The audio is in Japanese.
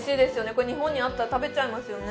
これ日本にあったら食べちゃいますよね